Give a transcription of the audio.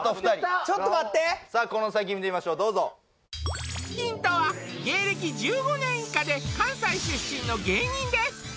２人ちょっと待ってこの先見てみましょうどうぞヒントは芸歴１５年以下で関西出身の芸人です